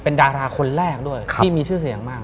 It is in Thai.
เป็นดาราคนแรกด้วยที่มีชื่อเสียงมาก